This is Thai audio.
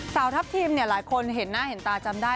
สาวทัพทิมหลายคนเห็นหน้าเห็นตาจำได้